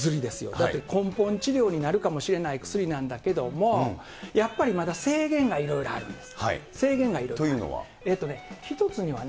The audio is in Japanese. だって根本治療になるかもしれない薬なんだけども、やっぱりまだ制限がいろいろあるんです。